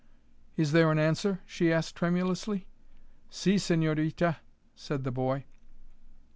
"Is there an answer?" she asked, tremulously. "Si, señorita," said the boy.